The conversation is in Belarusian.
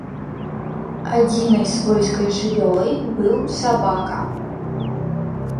Адзінай свойскай жывёлай быў сабака.